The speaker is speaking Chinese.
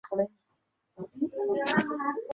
父宁阳侯陈懋。